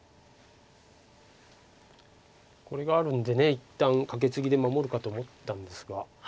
これがあるんで一旦カケツギで守るかと思ったんですが。